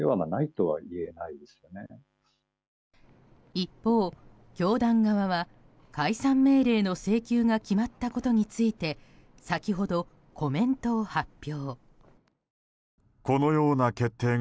一方、教団側は解散命令の請求が決まったことに先ほど、コメントを発表。